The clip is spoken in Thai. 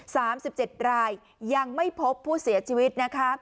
สามสิบเจ็ดรายยังไม่พบผู้เสียชีวิตนะคะ